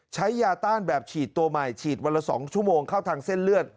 ใช้ยาต้านแบบฉีดตัวใหม่ฉีดวันละ๒ชั่วโมงเข้าทางเส้นเลือด